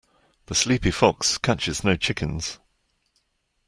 The sleepy fox catches no chickens.